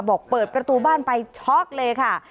เปิดประตูบ้านไปช็อกเลยค่ะ